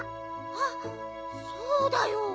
あっそうだよ。